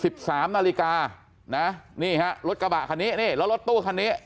สิบสามนาฬิกานะนี่ฮะรถกระบะคันนี้นี่แล้วรถตู้คันนี้